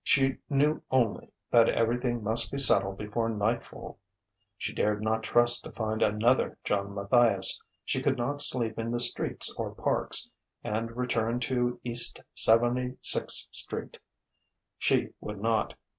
She knew only that everything must be settled before nightfall: she dared not trust to find another John Matthias, she could not sleep in the streets or parks, and return to East Seventy sixth Street she would not.